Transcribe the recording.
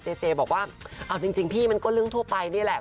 เจเจบอกว่าเอาจริงพี่มันก็เรื่องทั่วไปนี่แหละ